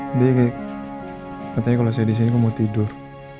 kayak katanya kalau saya di sini kok mau tidur